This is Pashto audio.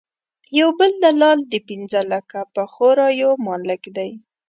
یو بل دلال د پنځه لکه پخو رایو مالک دی.